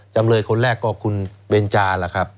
จำเลยคนแรกก็คุณเบนจาล่ะครับ